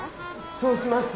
そうします。